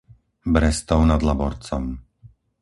Brestov nad Laborcom